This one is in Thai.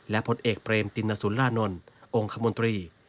และผลเอกเปรมตินสุรานนท์องค์คมนตรี